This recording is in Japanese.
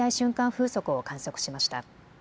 風速を観測しました。